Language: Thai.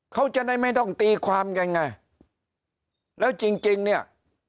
เขาจะได้ไม่ต้องตีความกันไงแล้วจริงจริงเนี่ย